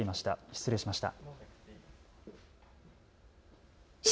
失礼しました。